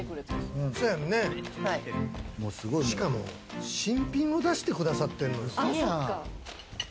しかも、新品を出してくださってるのよ。